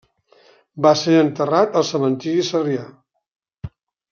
Va ser enterrat al Cementiri de Sarrià.